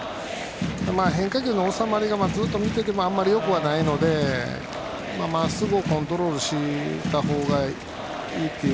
変化球の収まりがあまりよくはないのでまっすぐをコントロールした方がいいという。